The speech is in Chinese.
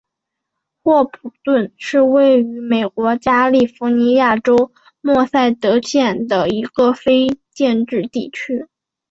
霍普顿是位于美国加利福尼亚州默塞德县的一个非建制地区。